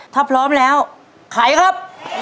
ถ้าพร้อมแล้วขายครับ